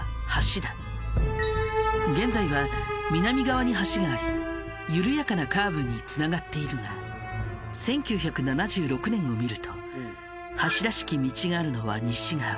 現在は南側に橋があり緩やかなカーブにつながっているが１９７６年を見ると橋らしき道があるのは西側。